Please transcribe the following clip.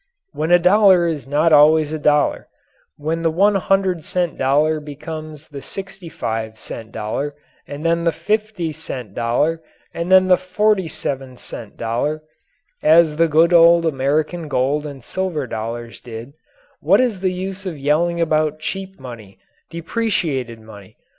When a dollar is not always a dollar, when the 100 cent dollar becomes the 65 cent dollar, and then the 50 cent dollar, and then the 47 cent dollar, as the good old American gold and silver dollars did, what is the use of yelling about "cheap money," "depreciated money"?